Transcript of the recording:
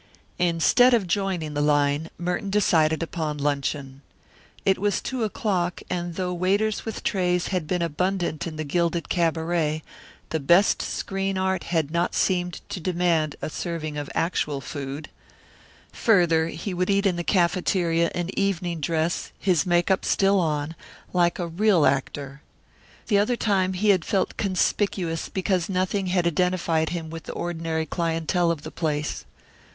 Instead of joining the line Merton decided upon luncheon. It was two o'clock, and though waiters with trays had been abundant in the gilded cabaret, the best screen art had not seemed to demand a serving of actual food. Further, he would eat in the cafeteria in evening dress, his make up still on, like a real actor. The other time he had felt conspicuous because nothing had identified him with the ordinary clientele of the place.